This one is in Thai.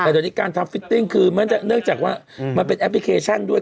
แต่เดี๋ยวนี้การทำฟิตติ้งคือเนื่องจากว่ามันเป็นแอปพลิเคชันด้วย